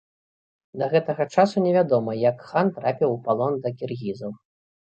Да гэтага часу не вядома, як хан трапіў у палон да кіргізаў.